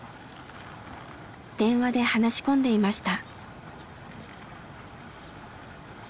電話で話し込んでいました。